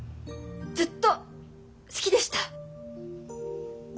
ずっと好きでした。